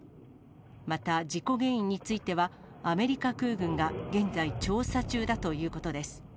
また、事故原因については、アメリカ空軍が現在、調査中だということです。